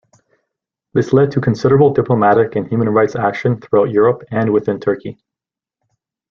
This led to considerable diplomatic and Human Rights action throughout Europe and within Turkey.